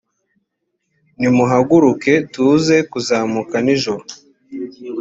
nimuhaguruke tuze kuzamuka nijoro